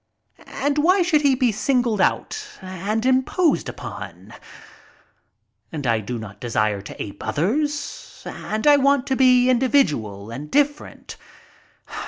And why should he be singled out and imposed upon ? And I do not desire to ape others. And I want to be indi vidual and different.